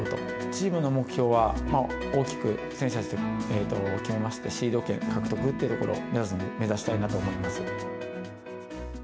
チームの目標は大きく選手たちと決めましたし、シード権獲得というところを目指していきたいなと思います。